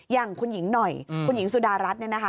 อย่างคุณหญิงหน่อยคุณหญิงสุดารัฐเนี่ยนะคะ